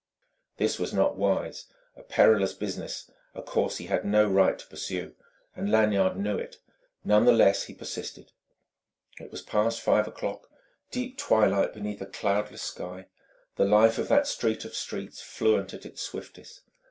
This was not wise, a perilous business, a course he had no right to pursue. And Lanyard knew it. None the less, he persisted. It was past five o'clock deep twilight beneath a cloudless sky the life of that street of streets fluent at its swiftest.